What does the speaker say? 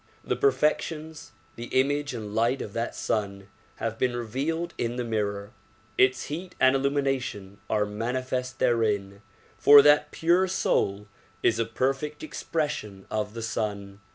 The perfections, the image and light of that Sun have been revealed in the mirror; its heat and illumination are manifest therein, for that pure soul is a perfect expression of the Sun.